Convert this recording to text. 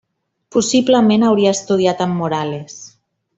Possiblement hauria estudiat amb Morales.